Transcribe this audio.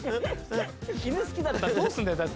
犬好きだったらどうすんだよだって。